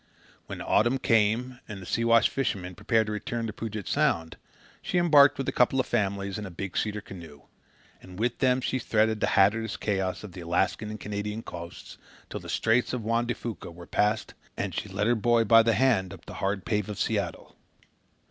When autumn came and the Siwash fishermen prepared to return to Puget Sound, she embarked with a couple of families in a big cedar canoe; and with them she threaded the hazardous chaos of the Alaskan and Canadian coasts, till the Straits of Juan de Fuca were passed and she led her boy by the hand up the hard pave of Seattle.